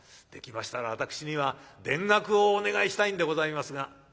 「できましたら私には田楽をお願いしたいんでございますが」。